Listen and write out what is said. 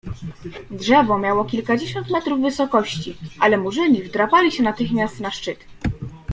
Drzewo miało kilkadziesiąt metrów wysokości, ale Murzyni wdrapali się natychmiast na szczyt.